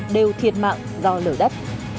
đều thiệt mạng do lở đất